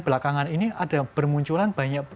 belakangan ini ada bermunculan banyak